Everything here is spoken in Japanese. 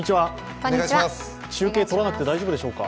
中継とらなくて大丈夫でしょうか？